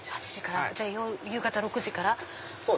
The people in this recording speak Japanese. じゃあ夕方６時から。